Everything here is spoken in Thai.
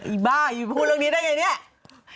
อีบ้าพูดเรื่องนี้ได้อย่างไรนี่